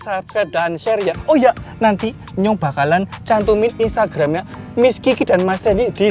subscribe dan share ya oh iya nanti nyong bakalan cantumin instagramnya miss kiki dan mas rendy di